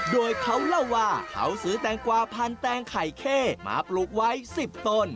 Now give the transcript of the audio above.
โดยเขาเล่าว่าเขาซื้อแตงกวาพันแตงไข่เข้มาปลูกไว้๑๐ต้น